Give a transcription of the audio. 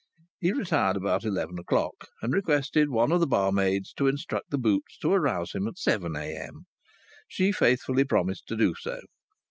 He retired about eleven o'clock, and requested one of the barmaids to instruct the boots to arouse him at 7 a.m. She faithfully promised to do so.